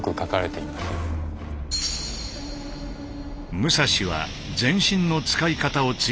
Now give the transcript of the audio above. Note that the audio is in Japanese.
武蔵は全身の使い方を追求した。